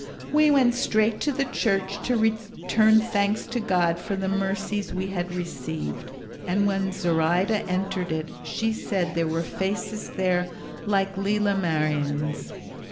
We went straight to the church to return thanks to God for the mercies we had received, and when Zoraida entered it she said there were faces there like Lela Marien's.